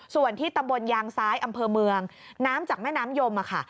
ส่วนที่ตำบลยางซ้ายอำเภอเมืองน้ำจากแม่น้ำยมค่ะ